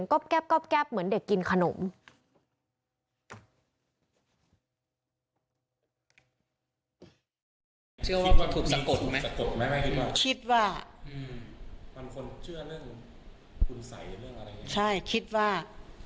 ไม่มีใครเห็นใครเจอ